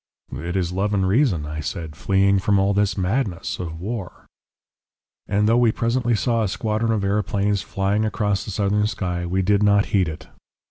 "'It is love and reason,' I said, 'fleeing from all this madness, of war.' "And though we presently saw a squadron of aeroplanes flying across the southern sky we did not heed it.